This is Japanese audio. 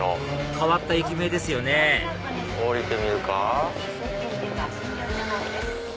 変わった駅名ですよね降りてみるか。